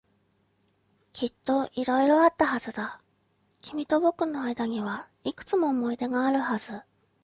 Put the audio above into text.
きっと色々あったはずだ。君と僕の間にはいくつも思い出があるはず。